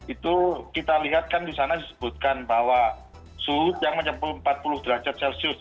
itu kita lihat kan di sana disebutkan bahwa suhu yang menyembuh empat puluh derajat celcius